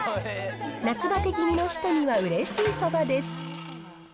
夏バテ気味の人にはうれしいそばです。